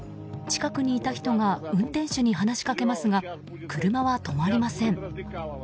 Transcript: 近くにいた人が運転手に話しかけますが車は止まりません。